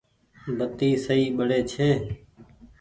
بتي سئي ٻڙي ڇي۔